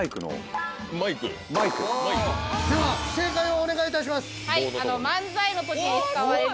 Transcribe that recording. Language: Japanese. では正解をお願いいたします。